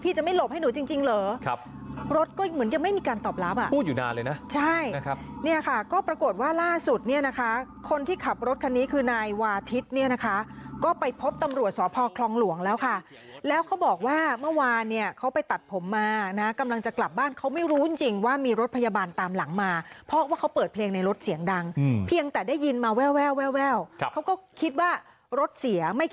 พี่จะไม่หลบให้หนูจริงเหรอครับรถก็เหมือนยังไม่มีการตอบรับอ่ะพูดอยู่นานเลยนะใช่เนี่ยค่ะก็ปรากฏว่าล่าสุดเนี่ยนะคะคนที่ขับรถคันนี้คือนายวาทิศเนี่ยนะคะก็ไปพบตำรวจสพคลองหลวงแล้วค่ะแล้วเขาบอกว่าเมื่อวานเนี่ยเขาไปตัดผมมานะกำลังจะกลับบ้านเขาไม่รู้จริงว่ามีรถพยาบาลตามหลังมาเพราะว่าเข